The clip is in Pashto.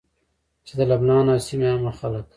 چې د لبنان او سيمي عامه خلک